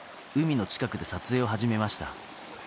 海の近くで撮影を始めました。